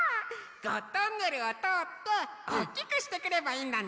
ゴットンネルをとおっておおきくしてくればいいんだね！